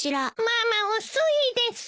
ママ遅いです。